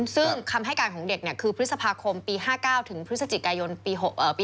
ซึ่งคำให้การของเด็กคือพฤษภาคมปี๕๙ถึงพฤศจิกายนปี๒๕